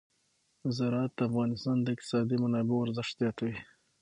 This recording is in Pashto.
زراعت د افغانستان د اقتصادي منابعو ارزښت زیاتوي.